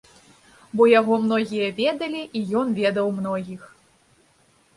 Бо яго многія ведалі, і ён ведаў многіх.